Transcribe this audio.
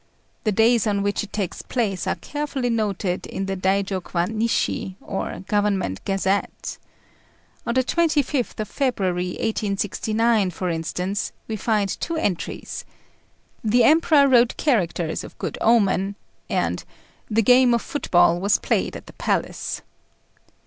The days on which it takes place are carefully noted in the "Daijôkwan Nishi," or Government Gazette. On the 25th of February, 1869, for instance, we find two entries: "The Emperor wrote characters of good omen," and "The game of football was played at the palace."